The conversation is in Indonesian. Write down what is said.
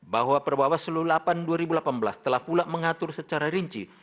bahwa perbawah selu no delapan dua ribu delapan belas telah pula mengatur secara rinci